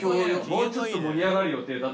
もうちょっと盛り上がる予定